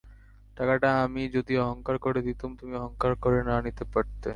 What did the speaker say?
টাকাটা আমি যদি অহংকার করে দিতুম, তুমি অহংকার করে না নিতে পারতে।